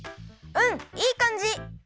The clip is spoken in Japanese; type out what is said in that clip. うんいいかんじ！